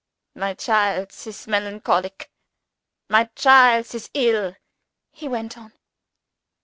"My childs is melancholick; my childs is ill," he went on.